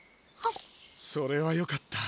それはよかった。